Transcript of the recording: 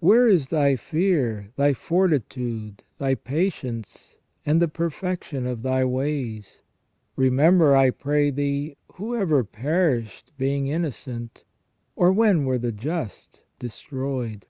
Where is thy fear, thy fortitude, thy patience, and the perfection of thy ways ? Remember, I pray thee, who ever perished being innocent? or when were the just destroyed?"